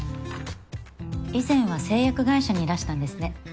以前は製薬会社にいらしたんですね。